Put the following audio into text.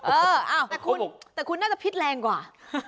เออแต่คุณน่าจะพิษแรงกว่า